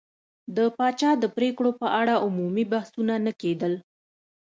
د پاچا د پرېکړو په اړه عمومي بحثونه نه کېدل.